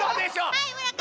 はい村上。